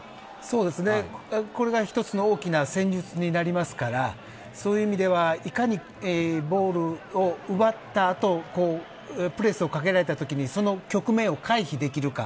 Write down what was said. これが一つの大きな戦術になりますからそういう意味ではいかにボールを奪った後プレスをかけられたときにその局面を回避できるか。